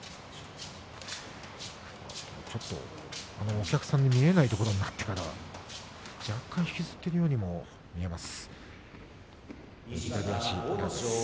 お客さんに見えないところに行ってからは若干、足を引きずっているようにも見えます。